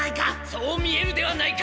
そう見えるではないか！